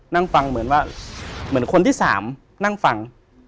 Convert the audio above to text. นั่งฟังเหมือนว่าเหมือนคนที่สามนั่งฟัง